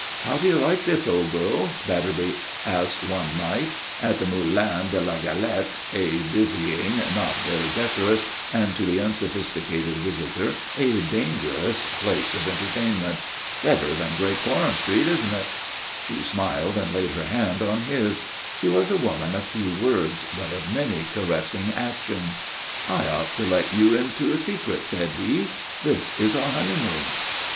"How do you like this, old girl?" Batterby asked one night, at the Moulin de la Galette, a dizzying, not very decorous, and to the unsophisticated visitor a dangerous place of entertainment. "Better than Great Coram Street, isn't it?" She smiled and laid her hand on his. She was a woman of few words but of many caressing actions. "I ought to let you into a secret," said he. "This is our honeymoon."